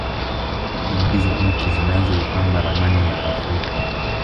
Hizi ndizo nchi zinazoipamba ramani ya Afrika